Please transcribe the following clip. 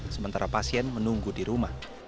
sementara pasien menunggu di rumah